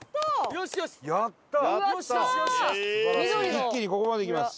一気にここまで行きます。